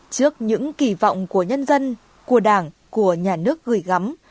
trước những kỳ vọng của nhân dân của đảng của nhà nước gửi gắm